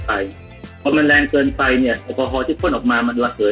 ไปเพราะมันแรงเกินไปเนี้ยอุปโฮที่พ่นออกมามันระเผยเกิน